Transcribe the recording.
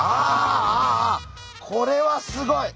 これはすごい！